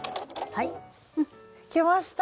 はいいけました。